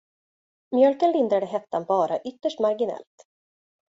Mjölken lindrade hettan bara ytterst marginellt.